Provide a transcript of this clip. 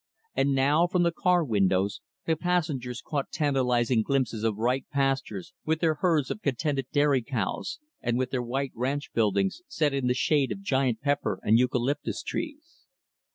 And now, from the car windows, the passengers caught tantalizing glimpses of bright pastures with their herds of contented dairy cows, and with their white ranch buildings set in the shade of giant pepper and eucalyptus trees.